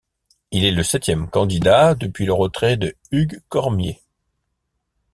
Il est le septième candidat, depuis le retrait de Hugues Cormier.